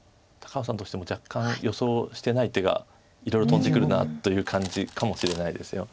高尾さんとしても若干予想してない手がいろいろ飛んでくるなという感じかもしれないです。